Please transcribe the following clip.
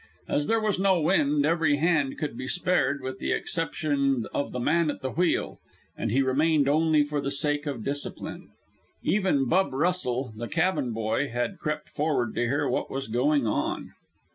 As there was no wind, every hand could be spared with the exception of the man at the wheel, and he remained only for the sake of discipline. Even "Bub" Russell, the cabin boy, had crept forward to hear what was going on.